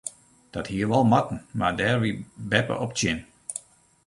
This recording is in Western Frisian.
Dat hie wol moatten mar dêr wie beppe op tsjin.